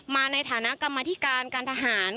ในฐานะกรรมธิการการทหาร